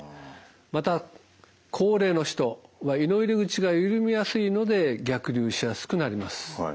また高齢の人は胃の入り口が緩みやすいので逆流しやすくなります。